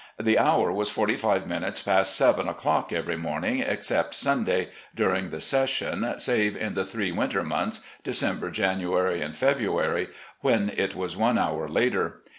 The hour was forty five minutes past seven o'clock every morning, except Sunday, during the session, save in the three winter months, December, January, and February, when it was one hour later.